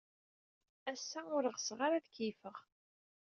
Ass-a, ur ɣseɣ ara ad keyyfeɣ.